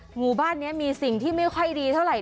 หมู่บ้านนี้มีสิ่งที่ไม่ค่อยดีเท่าไหร